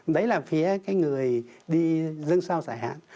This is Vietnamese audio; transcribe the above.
đấy là phía cái người đi dân sao giải hạn